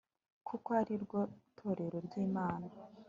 kuko ari rwo torero ry'imana